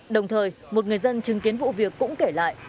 đồng thời một người dân chứng kiến vụ việc cũng kể lại